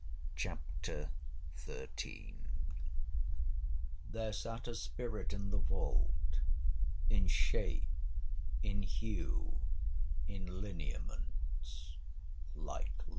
CHAPTER XIII There sat a spirit in the vault, In shape, in hue, in lineaments, like life.